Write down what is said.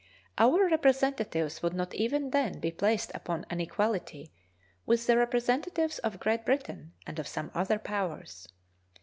Our representatives would not even then be placed upon an equality with the representatives of Great Britain and of some other powers.